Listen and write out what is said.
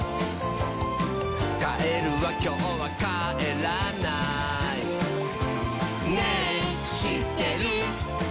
「カエルはきょうはかえらない」「ねぇしってる？」